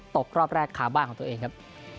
ตกรอบแรกขาบ้านของตัวเองครับ